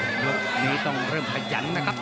วันนี้ต้องเริ่มพยายามนะครับ